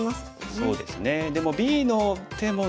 そうですね。